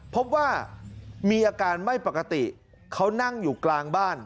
พบว่ามีอาการไม่ปกติเขานั่งอยู่กลางบ้าน